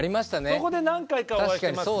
そこで何回かお会いしますもん。